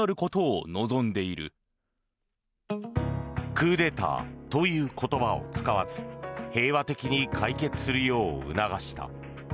クーデターという言葉を使わず平和的に解決するよう促した。